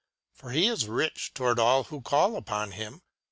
For He is rich toward all who call upon Him.